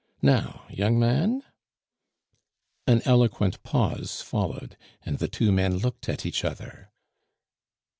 Now, young man? " An eloquent pause followed, and the two men looked at each other.